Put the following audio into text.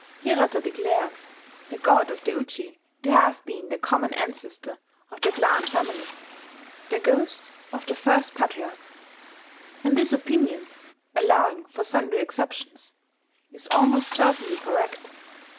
Hirata declares the god of the Uji to have been the common ancestor of the clan family, the ghost of the first patriarch; and this opinion (allowing for sundry exceptions) is almost certainly correct.